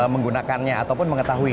menggunakannya ataupun mengetahui